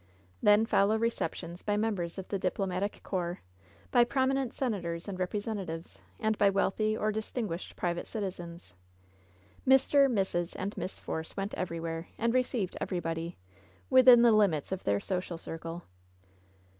Then follow receptions by members of the diplomatic corps, by prominent senators and representatives, and by wealthy or distinguished private citizens. Mr., Mrs. and Miss Force went everywhere, and re ceived everybody — ^within the limits of their social circle.